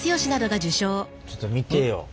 ちょっと見てよ。